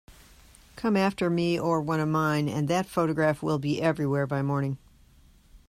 Come after me or one of mine, and that photograph will be everywhere by morning.